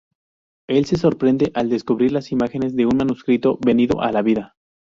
Él se sorprende al descubrir las imágenes de un manuscrito venido a la vida.